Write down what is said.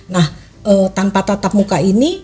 nah tanpa tatap muka ini